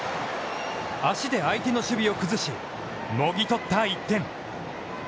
足で相手の守備を崩しもぎとった１点。